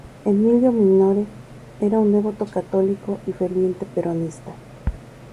Emilio Mignone era un devoto católico y ferviente peronista.